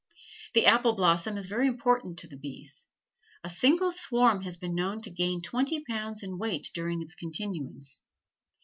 The apple blossom is very important to the bees. A single swarm has been known to gain twenty pounds in weight during its continuance.